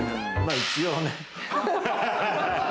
一応ね。